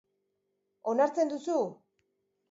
Onartzen duzu?